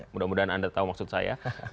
mudah mudahan anda tahu maksud saya